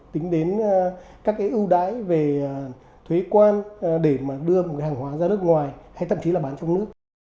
tính đến các cái ưu đãi về thuế quan để mà đưa một cái hàng hóa ra nước ngoài hay thậm chí là bán trong nước